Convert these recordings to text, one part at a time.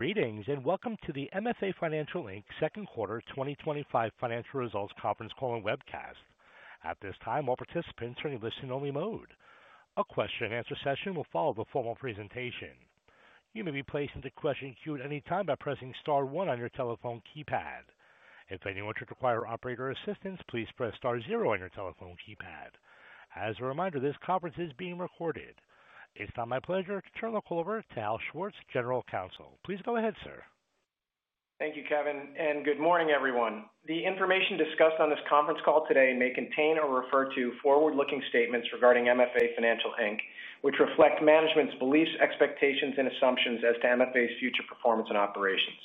Greetings and welcome to the MFA Financial Inc. Second Quarter 2025 Financial Results Conference Call and Webcast. At this time, all participants are in a listen-only mode. A question and answer session will follow the formal presentation. You may be placed into the question queue at any time by pressing star one on your telephone keypad. If anyone should require operator assistance, please press star zero on your telephone keypad. As a reminder, this conference is being recorded. It's now my pleasure to turn the call over to Hal Schwartz, General Counsel. Please go ahead, sir. Thank you, Kevin, and good morning, everyone. The information discussed on this conference call today may contain or refer to forward-looking statements regarding MFA Financial Inc., which reflect management's beliefs, expectations, and assumptions as to MFA's future performance and operations.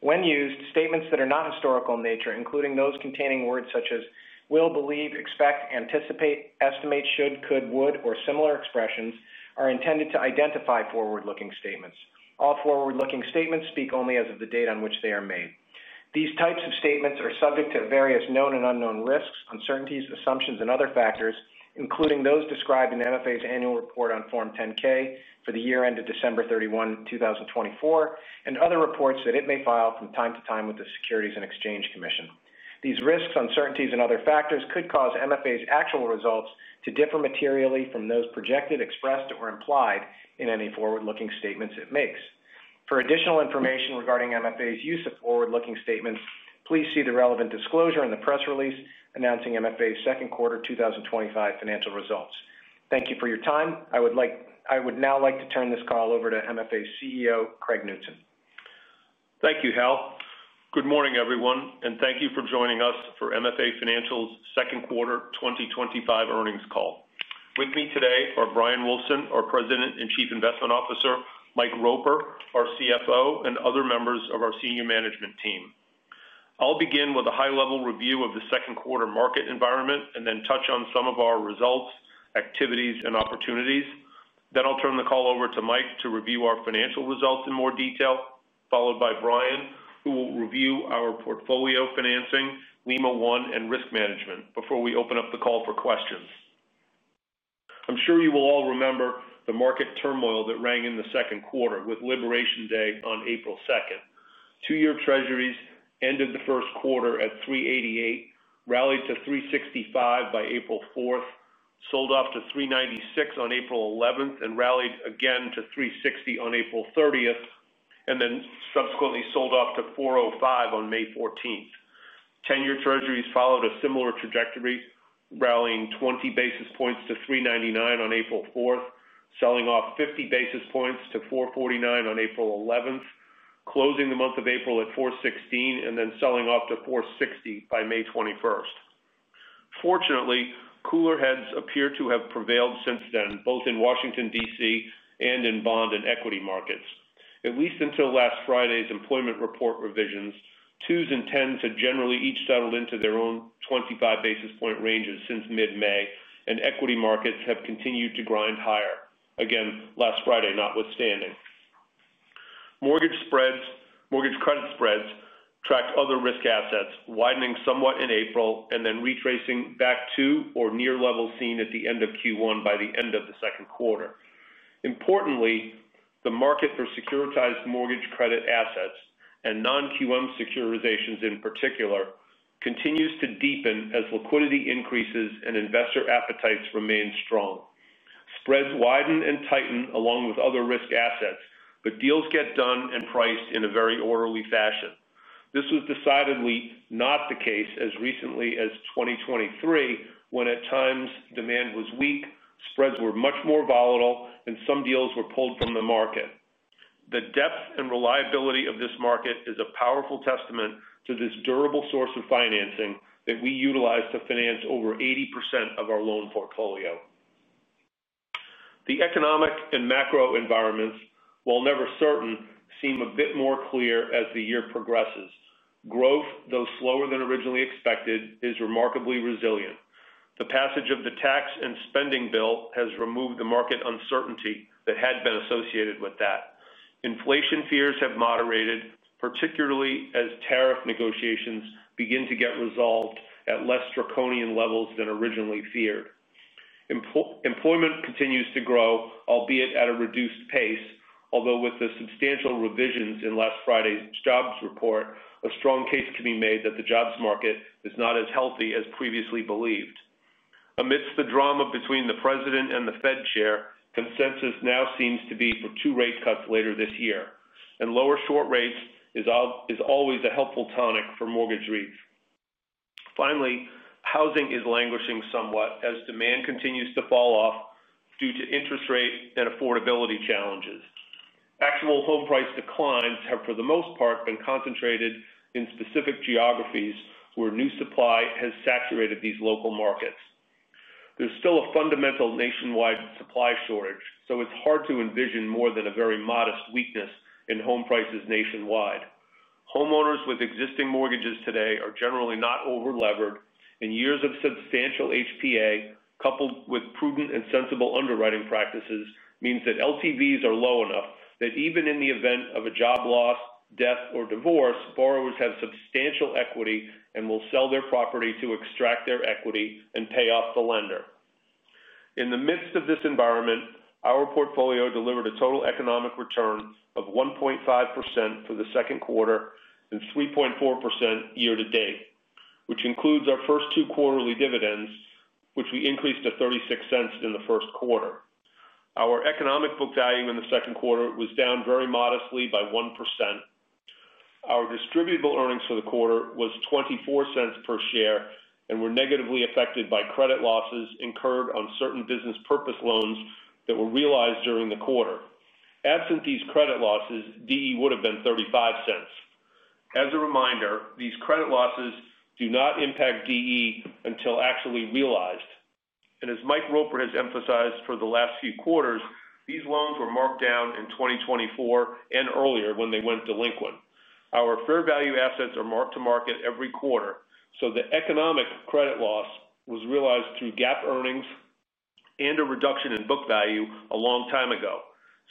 When used, statements that are not historical in nature, including those containing words such as "will," "believe," "expect," "anticipate," "estimate," "should," "could," "would," or similar expressions are intended to identify forward-looking statements. All forward-looking statements speak only as of the date on which they are made. These types of statements are subject to various known and unknown risks, uncertainties, assumptions, and other factors, including those described in MFA's annual report on Form 10-K for the year ended December 31, 2024, and other reports that it may file from time to time with the Securities and Exchange Commission. These risks, uncertainties, and other factors could cause MFA's actual results to differ materially from those projected, expressed, or implied in any forward-looking statements it makes. For additional information regarding MFA's use of forward-looking statements, please see the relevant disclosure in the press release announcing MFA's second quarter 2025 financial results. Thank you for your time. I would now like to turn this call over to MFA's CEO, Craig Knutson. Thank you, Hal. Good morning, everyone, and thank you for joining us for MFA Financial's Second Quarter 2025 Earnings Call. With me today are Bryan Wulfsohn, our President and Chief Investment Officer, Mike Roper, our CFO, and other members of our senior management team. I'll begin with a high-level review of the second quarter market environment and then touch on some of our results, activities, and opportunities. I'll turn the call over to Mike to review our financial results in more detail, followed by Bryan, who will review our portfolio financing, Lima One, and risk management before we open up the call for questions. I'm sure you will all remember the market turmoil that rang in the second quarter with Liberation Day on April 2. Two-year Treasuries ended the first quarter at $3.88, rallied to $3.65 by April 4, sold off to $3.96 on April 11, and rallied again to $3.60 on April 30, and then subsequently sold off to $4.05 on May 14. Ten-year Treasuries followed a similar trajectory, rallying 20 basis points to $3.99 on April 4, selling off 50 basis points to $4.49 on April 11, closing the month of April at $4.16, and then selling off to $4.60 by May 21. Fortunately, cooler heads appear to have prevailed since then, both in Washington, DC, and in bond and equity markets. At least until last Friday's employment report revisions, twos and tens had generally each settled into their own 25 basis point ranges since mid-May, and equity markets have continued to grind higher, last Friday notwithstanding. Mortgage credit spreads tracked other risk assets, widening somewhat in April and then retracing back to or near levels seen at the end of Q1 by the end of the second quarter. Importantly, the market for securitized mortgage credit assets and non-QM securitizations in particular continues to deepen as liquidity increases and investor appetites remain strong. Spreads widen and tighten along with other risk assets, but deals get done and priced in a very orderly fashion. This was decidedly not the case as recently as 2023, when at times demand was weak, spreads were much more volatile, and some deals were pulled from the market. The depth and reliability of this market is a powerful testament to this durable source of financing that we utilize to finance over 80% of our loan portfolio. The economic and macro environments, while never certain, seem a bit more clear as the year progresses. Growth, though slower than originally expected, is remarkably resilient. The passage of the tax and spending bill has removed the market uncertainty that had been associated with that. Inflation fears have moderated, particularly as tariff negotiations begin to get resolved at less draconian levels than originally feared. Employment continues to grow, albeit at a reduced pace, although with the substantial revisions in last Friday's jobs report, a strong case can be made that the jobs market is not as healthy as previously believed. Amidst the drama between the President and the Fed Chair, consensus now seems to be for two rate cuts later this year, and lower short rates is always a helpful tonic for mortgage REITs. Finally, housing is languishing somewhat as demand continues to fall off due to interest rate and affordability challenges. Actual home price declines have, for the most part, been concentrated in specific geographies where new supply has saturated these local markets. There's still a fundamental nationwide supply shortage, so it's hard to envision more than a very modest weakness in home prices nationwide. Homeowners with existing mortgages today are generally not over-levered, and years of substantial HPA, coupled with prudent and sensible underwriting practices, mean that LTVs are low enough that even in the event of a job loss, death, or divorce, borrowers have substantial equity and will sell their property to extract their equity and pay off the lender. In the midst of this environment, our portfolio delivered a total economic return of 1.5% for the second quarter and 3.4% year to date, which includes our first two quarterly dividends, which we increased to $0.36 in the first quarter. Our economic book value in the second quarter was down very modestly by 1%. Our distributable earnings for the quarter was $0.24 per share and were negatively affected by credit losses incurred on certain business purpose loans that were realized during the quarter. Absent these credit losses, DE would have been $0.35. As a reminder, these credit losses do not impact DE until actually realized. As Mike Roper has emphasized for the last few quarters, these loans were marked down in 2024 and earlier when they went delinquent. Our fair value assets are marked to market every quarter, so the economic credit loss was realized through GAAP earnings and a reduction in book value a long time ago.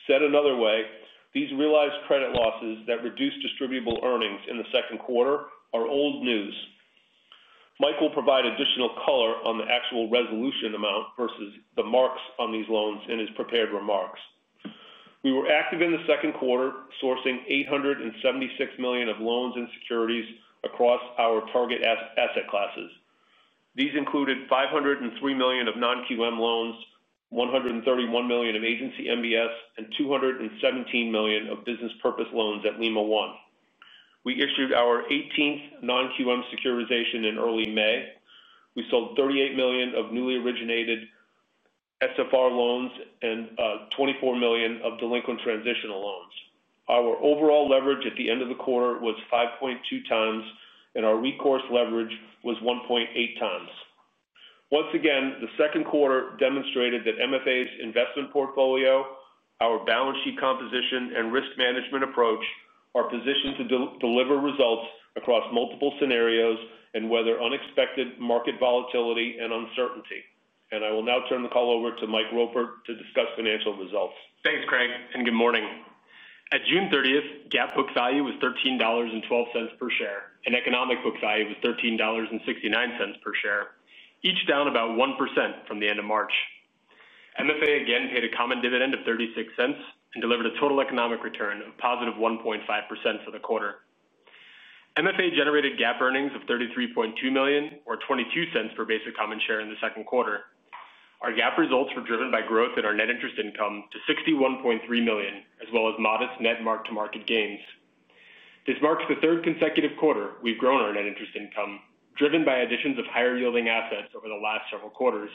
Said another way, these realized credit losses that reduced distributable earnings in the second quarter are old news. Mike will provide additional color on the actual resolution amount versus the marks on these loans in his prepared remarks. We were active in the second quarter, sourcing $876 million of loans and securities across our target asset classes. These included $503 million of non-QM loans, $131 million of agency MBS, and $217 million of business purpose loans at Lima One. We issued our 18th non-QM securitization in early May. We sold $38 million of newly originated SFR loans and $24 million of delinquent transitional loans. Our overall leverage at the end of the quarter was 5.2 times, and our recourse leverage was 1.8 times. The second quarter demonstrated that MFA's investment portfolio, our balance sheet composition, and risk management approach are positioned to deliver results across multiple scenarios and weather unexpected market volatility and uncertainty. I will now turn the call over to Mike Roper to discuss financial results. Thanks, Craig, and good morning. At June 30, GAAP book value was $13.12 per share, and economic book value was $13.69 per share, each down about 1% from the end of March. MFA again paid a common dividend of $0.36 and delivered a total economic return of positive 1.5% for the quarter. MFA generated GAAP earnings of $33.2 million, or $0.22 per basic common share in the second quarter. Our GAAP results were driven by growth in our net interest income to $61.3 million, as well as modest net mark-to-market gains. This marks the third consecutive quarter we've grown our net interest income, driven by additions of higher yielding assets over the last several quarters.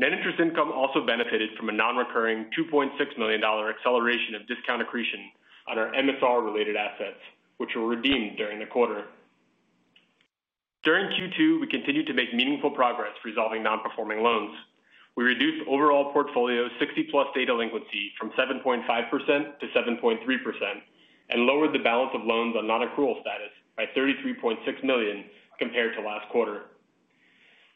Net interest income also benefited from a non-recurring $2.6 million acceleration of discount accretion on our MSR-related assets, which were redeemed during the quarter. During Q2, we continued to make meaningful progress resolving non-performing loans. We reduced overall portfolio 60-plus-day delinquency from 7.5%-7.3% and lowered the balance of loans on non-accrual status by $33.6 million compared to last quarter.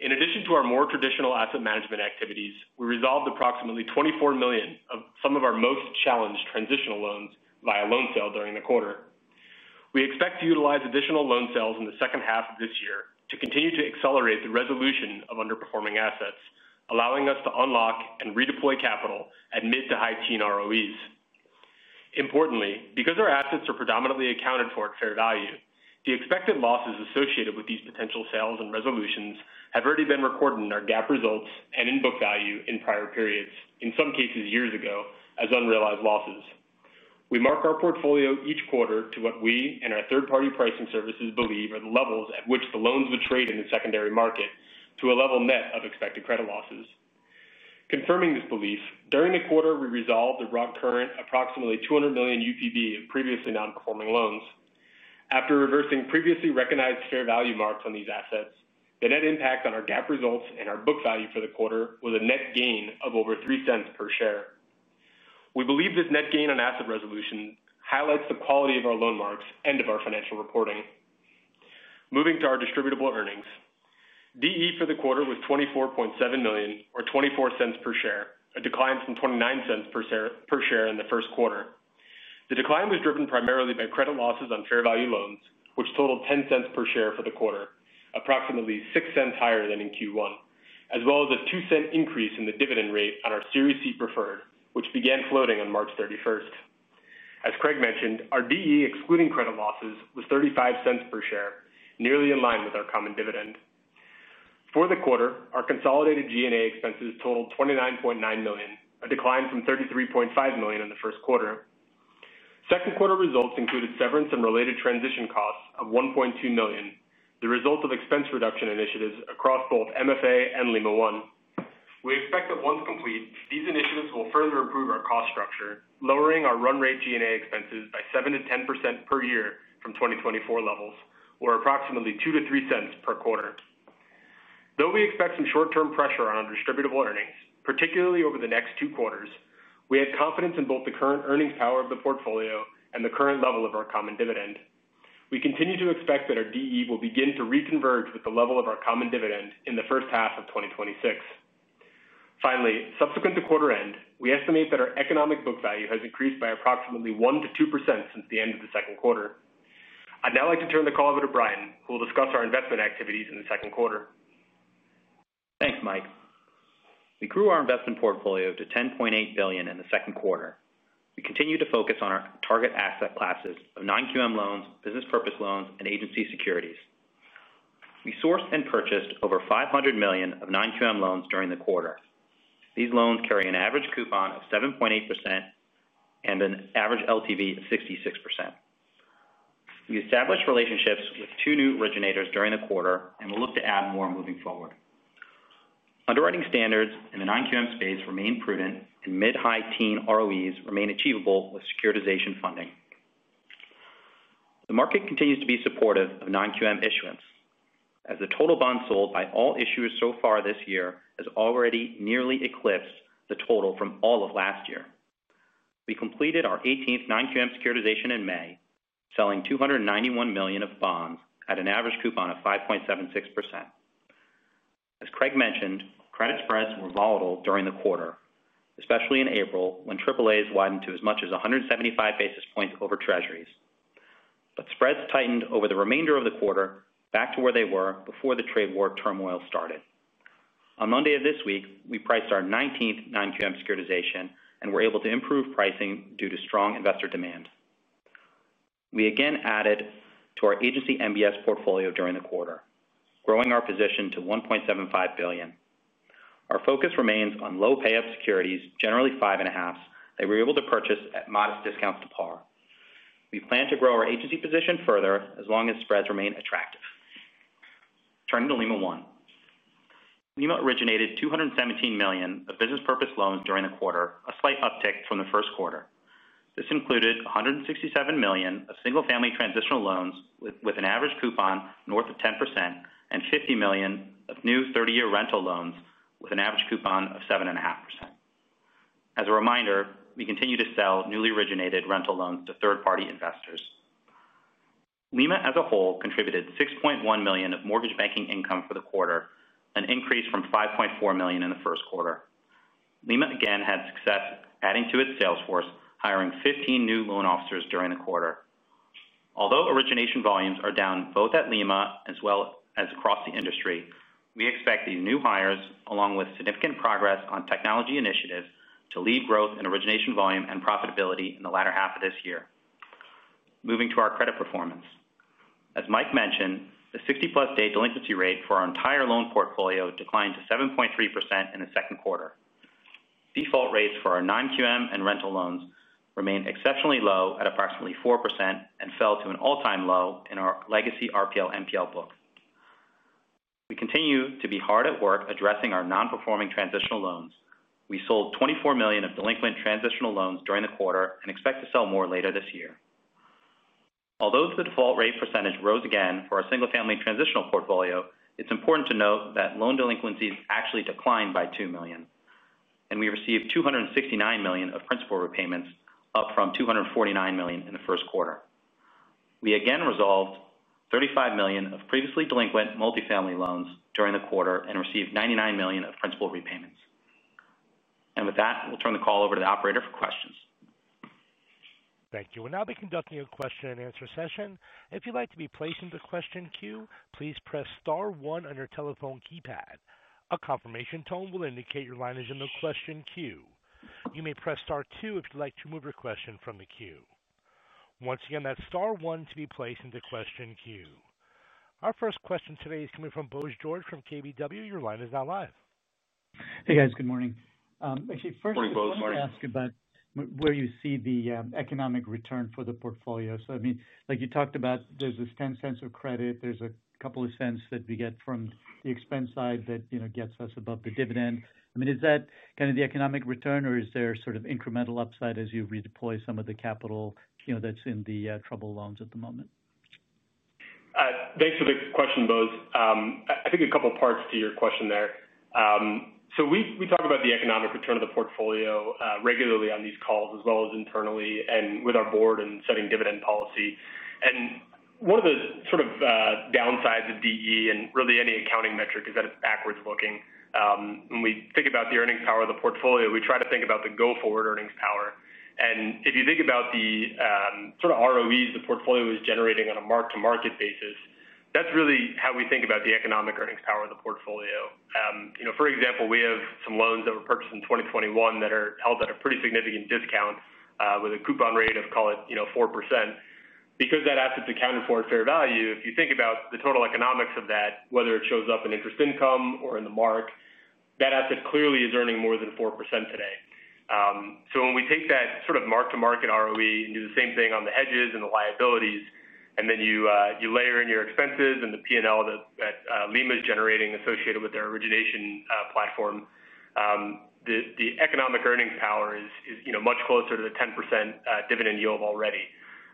In addition to our more traditional asset management activities, we resolved approximately $24 million of some of our most challenged transitional loans via loan sale during the quarter. We expect to utilize additional loan sales in the second half of this year to continue to accelerate the resolution of underperforming assets, allowing us to unlock and redeploy capital at mid to high-teens ROEs. Importantly, because our assets are predominantly accounted for at fair value, the expected losses associated with these potential sales and resolutions have already been recorded in our GAAP results and in book value in prior periods, in some cases years ago, as unrealized losses. We mark our portfolio each quarter to what we and our third-party pricing services believe are the levels at which the loans would trade in the secondary market to a level net of expected credit losses. Confirming this belief, during the quarter, we resolved a raw current of approximately $200 million UPB of previously non-performing loans. After reversing previously recognized fair value marks on these assets, the net impact on our GAAP results and our book value for the quarter was a net gain of over $0.03 per share. We believe this net gain on asset resolution highlights the quality of our loan marks and of our financial reporting. Moving to our distributable earnings, DE for the quarter was $24.7 million or $0.24 per share, a decline from $0.29 per share in the first quarter. The decline was driven primarily by credit losses on fair value loans, which totaled $0.10 per share for the quarter, approximately $0.06 higher than in Q1, as well as a $0.02 increase in the dividend rate on our Series C preferred, which began floating on March 31. As Craig mentioned, our DE excluding credit losses was $0.35 per share, nearly in line with our common dividend. For the quarter, our consolidated G&A expenses totaled $29.9 million, a decline from $33.5 million in the first quarter. Second quarter results included severance and related transition costs of $1.2 million, the result of expense reduction initiatives across both MFA Financial Inc. and Lima One. We expect that once complete, these initiatives will further improve our cost structure, lowering our run rate G&A expenses by 7%-10% per year from 2024 levels, or approximately $0.02 to $0.03 per quarter. Though we expect some short-term pressure on our distributable earnings, particularly over the next two quarters, we have confidence in both the current earnings power of the portfolio and the current level of our common dividend. We continue to expect that our DE will begin to reconverge with the level of our common dividend in the first half of 2026. Finally, subsequent to quarter end, we estimate that our economic book value has increased by approximately 1%-2% since the end of the second quarter. I'd now like to turn the call over to Bryan, who will discuss our investment activities in the second quarter. Thanks, Mike. We grew our investment portfolio to $10.8 billion in the second quarter. We continued to focus on our target asset classes of non-QM loans, business purpose loans, and agency securities. We sourced and purchased over $500 million of non-QM loans during the quarter. These loans carry an average coupon of 7.8% and an average LTV of 66%. We established relationships with two new originators during the quarter and will look to add more moving forward. Underwriting standards in the non-QM space remain prudent, and mid-high-teens ROEs remain achievable with securitization funding. The market continues to be supportive of non-QM issuance, as the total bonds sold by all issuers so far this year has already nearly eclipsed the total from all of last year. We completed our 18th non-QM securitization in May, selling $291 million of bonds at an average coupon of 5.76%. As Craig mentioned, credit spreads were volatile during the quarter, especially in April when AAAs widened to as much as 175 basis points over U.S. Treasuries. Spreads tightened over the remainder of the quarter back to where they were before the trade war turmoil started. On Monday of this week, we priced our 19th non-QM securitization and were able to improve pricing due to strong investor demand. We again added to our agency MBS portfolio during the quarter, growing our position to $1.75 billion. Our focus remains on low payoff securities, generally five and a halfs, that we were able to purchase at modest discounts to par. We plan to grow our agency position further as long as spreads remain attractive. Turning to Lima One, Lima originated $217 million of business purpose loans during the quarter, a slight uptick from the first quarter. This included $167 million of single-family transitional loans with an average coupon north of 10% and $50 million of new 30-year rental loans with an average coupon of 7.5%. As a reminder, we continue to sell newly originated rental loans to third-party investors. Lima as a whole contributed $6.1 million of mortgage banking income for the quarter, an increase from $5.4 million in the first quarter. Lima again had success adding to its sales force, hiring 15 new loan officers during the quarter. Although origination volumes are down both at Lima One as well as across the industry, we expect these new hires, along with significant progress on technology initiatives, to lead growth in origination volume and profitability in the latter half of this year. Moving to our credit performance. As Mike Roper mentioned, the 60-plus-day delinquency rate for our entire loan portfolio declined to 7.3% in the second quarter. Default rates for our non-QM and rental loans remain exceptionally low at approximately 4% and fell to an all-time low in our legacy RPL/NPL book. We continue to be hard at work addressing our non-performing transitional loans. We sold $24 million of delinquent transitional loans during the quarter and expect to sell more later this year. Although the default rate percentage rose again for our single-family transitional portfolio, it's important to note that loan delinquencies actually declined by $2 million. We received $269 million of principal repayments, up from $249 million in the first quarter. We again resolved $35 million of previously delinquent multifamily loans during the quarter and received $99 million of principal repayments. With that, we'll turn the call over to the operator for questions. Thank you. We'll now be conducting a question and answer session. If you'd like to be placed into the question queue, please press star one on your telephone keypad. A confirmation tone will indicate your line is in the question queue. You may press star two if you'd like to remove your question from the queue. Once again, that's star one to be placed into the question queue. Our first question today is coming from Bose George from KBW. Your line is now live. Hey guys, good morning. First, I just wanted to ask about where you see the economic return for the portfolio. I mean, like you talked about, there's this $0.10 of credit, there's a couple of cents that we get from the expense side that gets us above the dividend. I mean, is that kind of the economic return or is there sort of incremental upside as you redeploy some of the capital that's in the trouble loans at the moment? Thanks for the question, Bose. I think a couple parts to your question there. We talk about the economic return of the portfolio regularly on these calls, as well as internally and with our board in setting dividend policy. One of the sort of downsides of DE and really any accounting metric is that it's backwards looking. When we think about the earnings power of the portfolio, we try to think about the go-forward earnings power. If you think about the sort of ROEs the portfolio is generating on a mark-to-market basis, that's really how we think about the economic earnings power of the portfolio. For example, we have some loans that were purchased in 2021 that are held at a pretty significant discount with a coupon rate of, call it, you know, 4%. Because that asset's accounted for at fair value, if you think about the total economics of that, whether it shows up in interest income or in the mark, that asset clearly is earning more than 4% today. When we take that sort of mark-to-market ROE, do the same thing on the hedges and the liabilities, and then you layer in your expenses and the P&L that Lima One is generating associated with their origination platform, the economic earnings power is much closer to the 10% dividend yield already.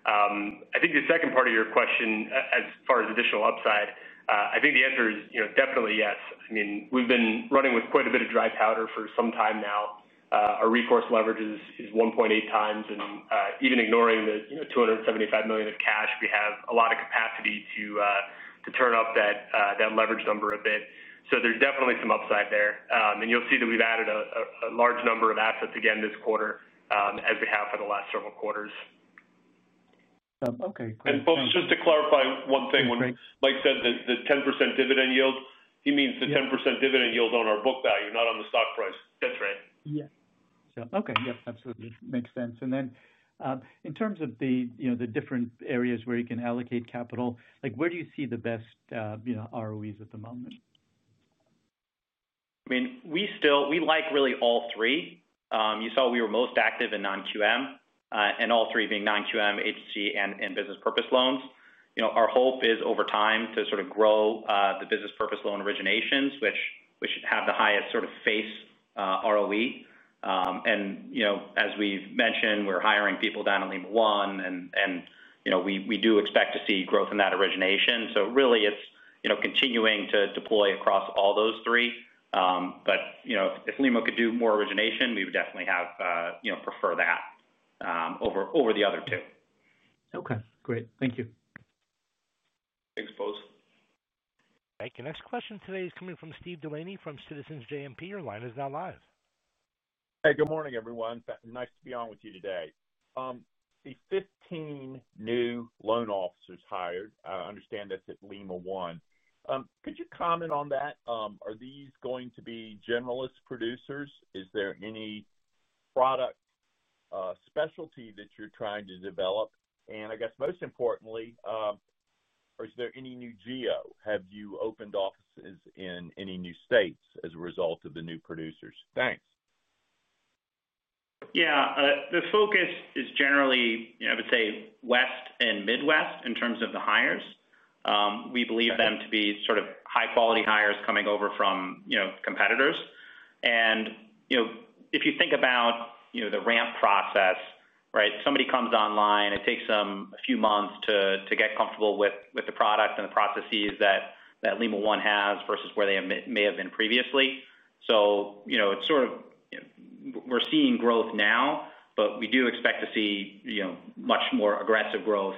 I think the second part of your question, as far as additional upside, I think the answer is definitely yes. I mean, we've been running with quite a bit of dry powder for some time now. Our recourse leverage is 1.8 times, and even ignoring the $275 million of cash, we have a lot of capacity to turn up that leverage number a bit. There is definitely some upside there. You'll see that we've added a large number of assets again this quarter as we have for the last several quarters. Okay. Just to clarify one thing, when Mike said the 10% dividend yield, he means the 10% dividend yield on our book value, not on the stock price. That's right. Yeah. Okay. Yep. Absolutely. Makes sense. In terms of the, you know, the different areas where you can allocate capital, where do you see the best, you know, ROEs at the moment? I mean, we still, we like really all three. You saw we were most active in non-QM, and all three being non-QM, agency MBS, and business purpose loans. Our hope is over time to sort of grow the business purpose loan originations, which have the highest sort of face ROE. As we've mentioned, we're hiring people down at Lima One, and we do expect to see growth in that origination. It's continuing to deploy across all those three. If Lima could do more origination, we would definitely have, you know, prefer that over the other two. Okay, great. Thank you. Thank you. Next question today is coming from Steve Delaney from Citizens JMP Securities. Your line is now live. Hey, good morning, everyone. Nice to be on with you today. The 15 new loan officers hired, I understand that's at Lima One. Could you comment on that? Are these going to be generalist producers? Is there any product specialty that you're trying to develop? I guess most importantly, is there any new geo? Have you opened offices in any new states as a result of the new producers? Thanks. Yeah. The focus is generally, you know, I would say West and Midwest in terms of the hires. We believe them to be sort of high-quality hires coming over from competitors. If you think about the ramp process, right, somebody comes online, it takes them a few months to get comfortable with the product and the processes that Lima One has versus where they may have been previously. It's sort of, you know, we're seeing growth now, but we do expect to see much more aggressive growth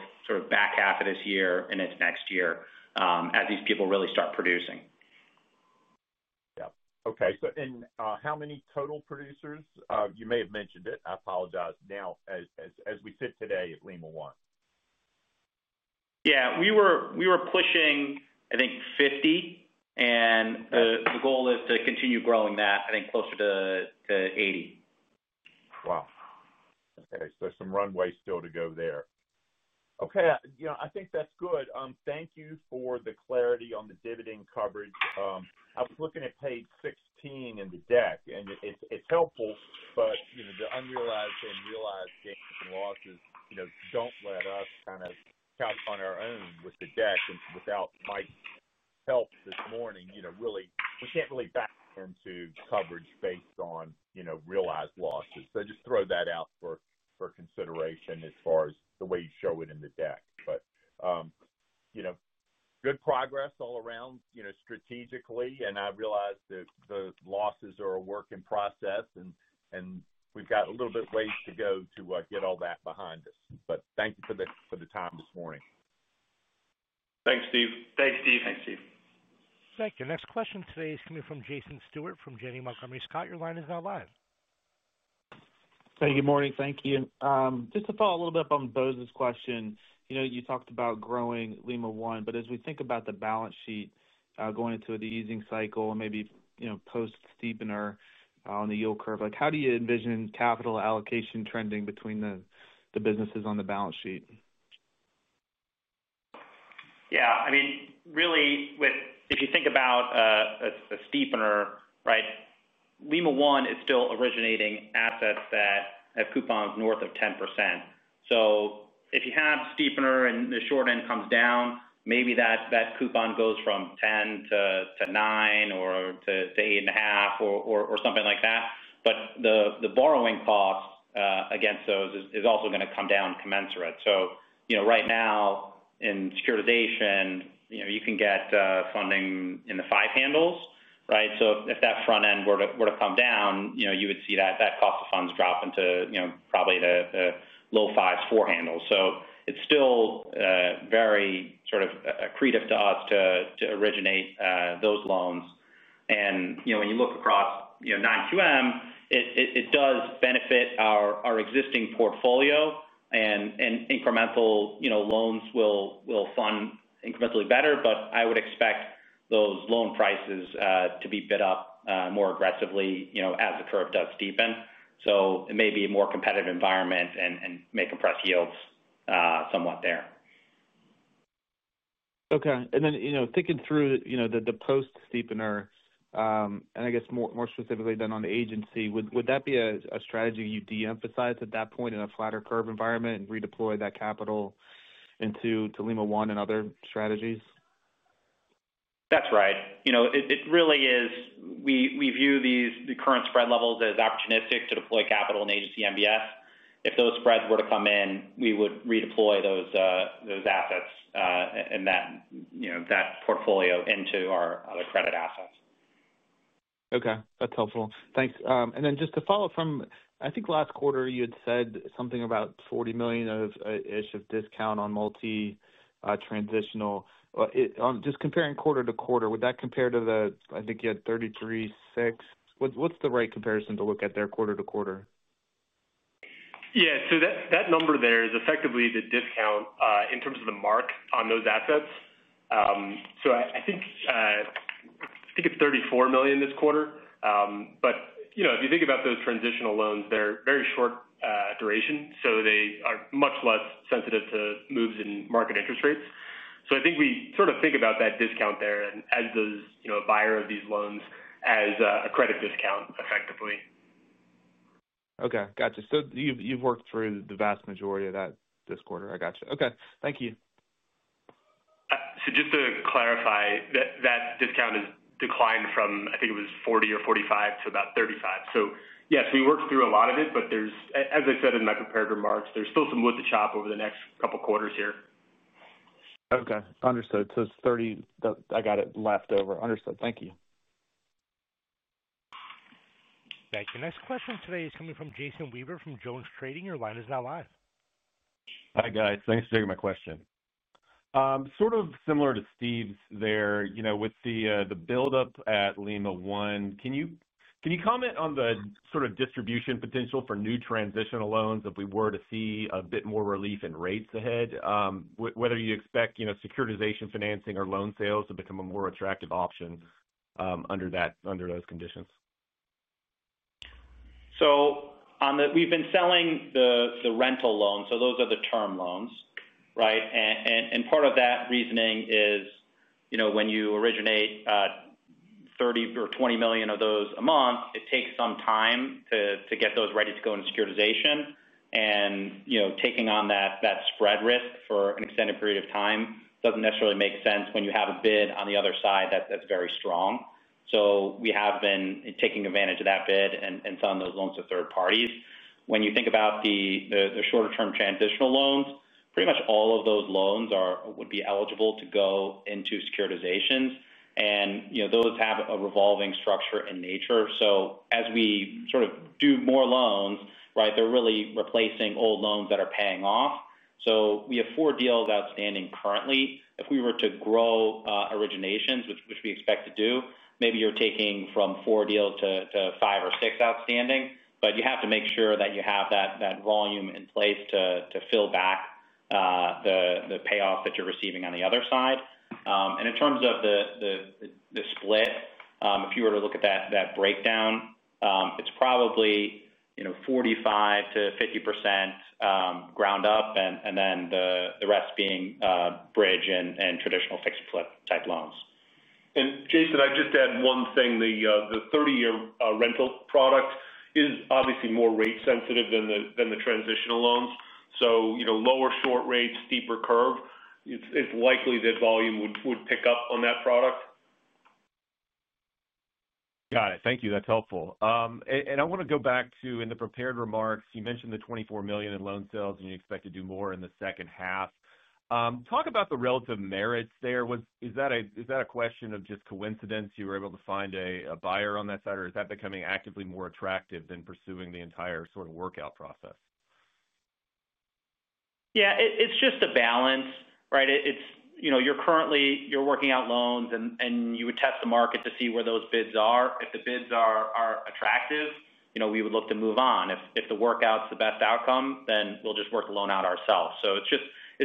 back half of this year and into next year as these people really start producing. Okay. How many total producers? You may have mentioned it. I apologize. Now, as we sit today at Lima One. Yeah, we were pushing, I think, 50, and the goal is to continue growing that, I think, closer to 80. Wow. Okay. There's some runway still to go there. Okay. I think that's good. Thank you for the clarity on the dividend coverage. I was looking at page 16 in the deck, and it's helpful, but the unrealized and realized gains and losses don't let us count on our own with the deck. Without Mike's help this morning, we can't really backfirm to coverage based on realized losses. I just throw that out for consideration as far as the way you show it in the deck. Good progress all around, strategically, and I realize that the losses are a work in process, and we've got a little bit of ways to go to get all that behind us. Thank you for the time this morning. Thanks, Steve. Thanks, Steve. Thanks, Steve. Thank you. Next question today is coming from Jason Stewart from Janney Montgomery Scott. Your line is now live. Hey, good morning. Thank you. Just to follow a little bit up on Bose's question, you know, you talked about growing Lima One, but as we think about the balance sheet, going into the easing cycle and maybe, you know, post-steepener on the yield curve, how do you envision capital allocation trending between the businesses on the balance sheet? Yeah, I mean, really, if you think about a steepener, right, Lima One is still originating assets that have coupons north of 10%. If you have a steepener and the short end comes down, maybe that coupon goes from 10%-9% or to 8.5% or something like that. The borrowing cost against those is also going to come down commensurate. Right now in securitization, you can get funding in the 5 handles, right? If that front end were to come down, you would see that cost of funds drop into probably the low 5s, 4 handles. It's still very sort of accretive to us to originate those loans. When you look across non-QM, it does benefit our existing portfolio, and incremental loans will fund incrementally better. I would expect those loan prices to be bid up more aggressively as the curve does steepen. It may be a more competitive environment and may compress yields somewhat there. Okay. Thinking through the post-steepener, and I guess more specifically on the agency MBS, would that be a strategy you'd de-emphasize at that point in a flatter curve environment and redeploy that capital into Lima One and other strategies? That's right. You know, it really is, we view the current spread levels as opportunistic to deploy capital in agency MBS. If those spreads were to come in, we would redeploy those assets and that portfolio into our other credit assets. Okay, that's helpful. Thanks. Just to follow from, I think last quarter you had said something about $40 million-ish of discount on multi-transitional. Just comparing quarter to quarter, would that compare to the, I think you had $33.6 million? What's the right comparison to look at there quarter to quarter? Yeah, so that number there is effectively the discount in terms of the mark on those assets. I think it's $34 million this quarter. If you think about those transitional loans, they're very short duration, so they are much less sensitive to moves in market interest rates. I think we sort of think about that discount there and add those, you know, a buyer of these loans as a credit discount effectively. Okay. Gotcha. You've worked through the vast majority of that this quarter. I gotcha. Okay. Thank you. Just to clarify, that discount has declined from, I think it was 40 or 45 to about 35. You worked through a lot of it, but as I said in my prepared remarks, there's still some wood to chop over the next couple quarters here. Okay. Understood. It's $30, I got it left over. Understood. Thank you. Thank you. Next question today is coming from Jason Weaver from JonesTrading. Your line is now live. Hi guys, thanks for taking my question. Sort of similar to Steve's there, with the buildup at Lima One, can you comment on the sort of distribution potential for new transitional loans if we were to see a bit more relief in rates ahead? Whether you expect securitization financing or loan sales to become a more attractive option under those conditions? We've been selling the rental loans, so those are the term loans, right? Part of that reasoning is, when you originate $30 or $20 million of those a month, it takes some time to get those ready to go into securitization. Taking on that spread risk for an extended period of time doesn't necessarily make sense when you have a bid on the other side that's very strong. We have been taking advantage of that bid and selling those loans to third parties. When you think about the shorter-term transitional loans, pretty much all of those loans would be eligible to go into securitizations. Those have a revolving structure in nature. As we sort of do more loans, they're really replacing old loans that are paying off. We have four deals outstanding currently. If we were to grow originations, which we expect to do, maybe you're taking from four deals to five or six outstanding, but you have to make sure that you have that volume in place to fill back the payoff that you're receiving on the other side. In terms of the split, if you were to look at that breakdown, it's probably 45%-50% ground up, and then the rest being bridge and traditional fixed split type loans. Jason, I'd just add one thing. The 30-year rental product is obviously more rate sensitive than the transitional loans. Lower short rates, deeper curve, it's likely that volume would pick up on that product. Got it. Thank you. That's helpful. I want to go back to, in the prepared remarks, you mentioned the $24 million in loan sales, and you expect to do more in the second half. Talk about the relative merits there. Is that a question of just coincidence? You were able to find a buyer on that side, or is that becoming actively more attractive than pursuing the entire sort of workout process? Yeah, it's just a balance, right? You're currently working out loans, and you would test the market to see where those bids are. If the bids are attractive, you know, we would look to move on. If the workout's the best outcome, then we'll just work the loan out ourselves. It's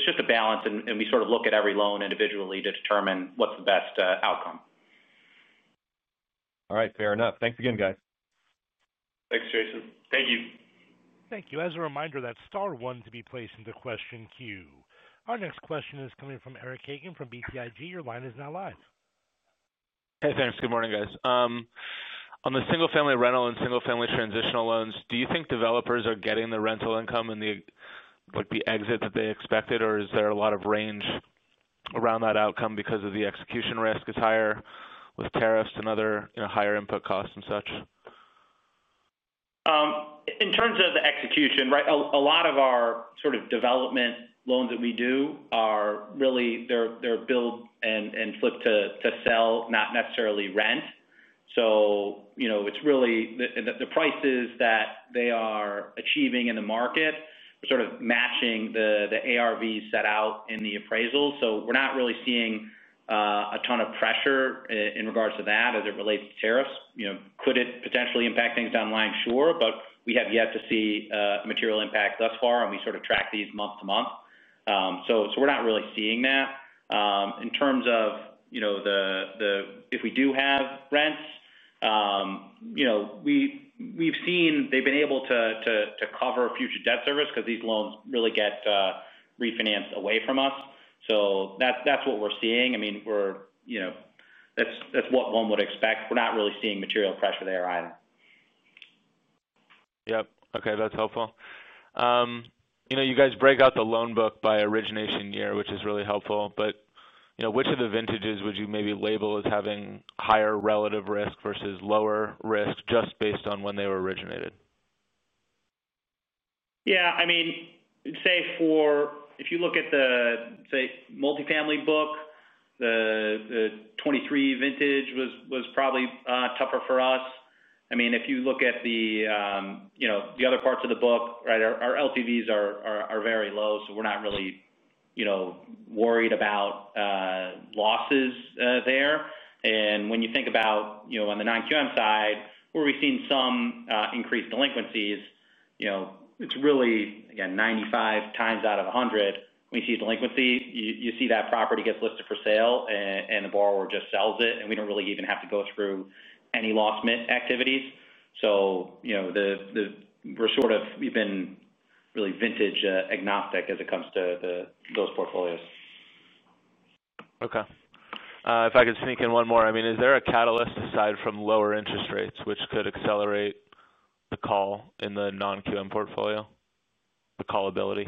just a balance, and we sort of look at every loan individually to determine what's the best outcome. All right, fair enough. Thanks again, guys. Thanks, Jason. Thank you. Thank you. As a reminder, that's star one to be placed into question queue. Our next question is coming from Eric Hagen from BTIG. Your line is now live. Hey, thanks. Good morning, guys. On the single-family rental and single-family transitional loans, do you think developers are getting the rental income in the, like, the exit that they expected, or is there a lot of range around that outcome because the execution risk is higher with tariffs and other, you know, higher input costs and such? In terms of the execution, a lot of our sort of development loans that we do are really, they're built and flipped to sell, not necessarily rent. It's really the prices that they are achieving in the market are sort of matching the ARV set out in the appraisal. We're not really seeing a ton of pressure in regards to that as it relates to tariffs. It could potentially impact things down the line, sure, but we have yet to see a material impact thus far, and we sort of track these month to month. We're not really seeing that. In terms of if we do have rents, we've seen they've been able to cover future debt service because these loans really get refinanced away from us. That's what we're seeing. I mean, that's what one would expect. We're not really seeing material pressure there either. Okay, that's helpful. You know, you guys break out the loan book by origination year, which is really helpful, but you know, which of the vintages would you maybe label as having higher relative risk versus lower risk just based on when they were originated? Yeah, I mean, say for, if you look at the, say, multifamily book, the 2023 vintage was probably tougher for us. I mean, if you look at the, you know, the other parts of the book, right, our LTVs are very low, so we're not really, you know, worried about losses there. When you think about, you know, on the non-QM side, where we've seen some increased delinquencies, it's really, again, 95 times out of 100, we see delinquency, you see that property gets listed for sale and the borrower just sells it and we don't really even have to go through any loss mitigation activities. We've been really vintage agnostic as it comes to those portfolios. Okay. If I could sneak in one more, is there a catalyst aside from lower interest rates, which could accelerate the call in the non-QM portfolio? The callability?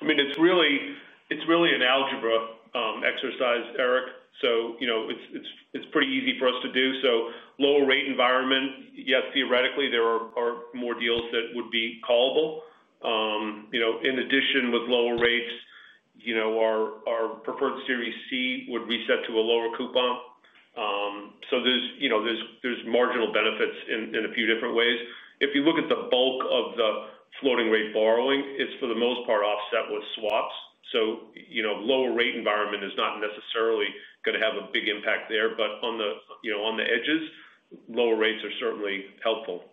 I mean, it's really an algebra exercise, Eric. It's pretty easy for us to do. Lower rate environment, yes, theoretically, there are more deals that would be callable. In addition, with lower rates, our preferred security C would be set to a lower coupon. There's marginal benefits in a few different ways. If you look at the bulk of the floating rate borrowing, it's for the most part offset with swaps. Lower rate environment is not necessarily going to have a big impact there, but on the edges, lower rates are certainly helpful.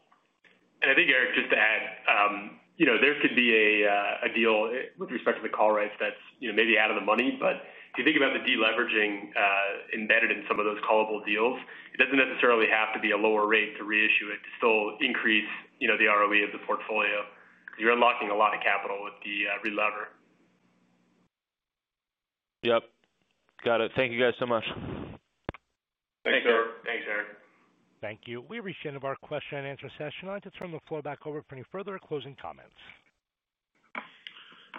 Eric, just to add, there can be a deal with respect to the call rates that's maybe out of the money, but if you think about the deleveraging embedded in some of those callable deals, it doesn't necessarily have to be a lower rate to reissue it to still increase the ROE of the portfolio. You're unlocking a lot of capital with the re-lever. Yep. Got it. Thank you guys so much. Thanks, Eric. Thanks, Eric. Thank you. We reached the end of our question and answer session. I'd like to turn the floor back over for any further closing comments.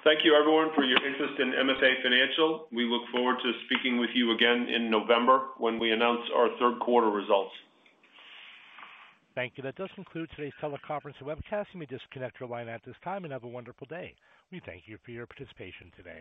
Thank you, everyone, for your interest in MFA Financial Inc. We look forward to speaking with you again in November when we announce our third quarter results. Thank you. That does conclude today's teleconference and webcast. You may disconnect your line at this time and have a wonderful day. We thank you for your participation today.